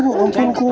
aduh ampun kum